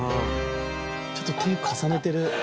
ちゃんと手重ねてる。